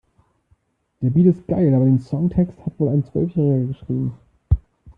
Der Beat ist geil, aber den Songtext hat wohl ein Zwölfjähriger geschrieben.